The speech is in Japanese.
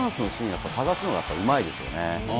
やっぱり探すのがうまいですよね。